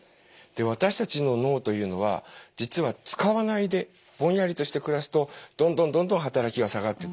で私たちの脳というのは実は使わないでぼんやりとして暮らすとどんどんどんどん働きが下がっていってしまう。